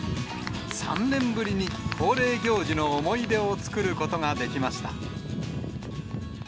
３年ぶりに恒例行事の思い出を作ることができました。